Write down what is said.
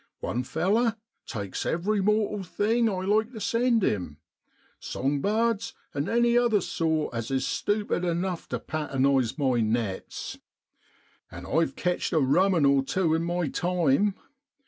One feller takes every mortal thing I like to send him gong bards, and any other sort as is stupid enuf to patternize my nets. An' I've ketcht a rummen or tew in my time.